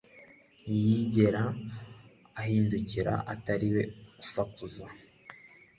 Ntiyigera ahindukira atiriwe asakuza.